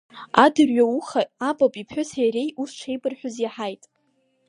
Адырҩауха апап иԥҳәыси иареи ус шеибырҳәоз иаҳаит…